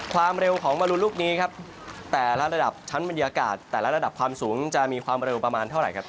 ความเร็วของมรุนลูกนี้ครับแต่ละระดับชั้นบรรยากาศแต่ละระดับความสูงจะมีความเร็วประมาณเท่าไหร่ครับ